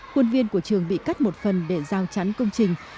quân viên của trường bị cắt một phần để giao chắn công trình